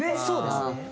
そうですね。